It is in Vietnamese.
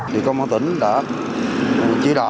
vị công an tỉnh đã chỉ đạo